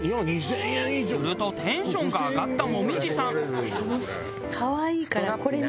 するとテンションが上がった紅葉さん。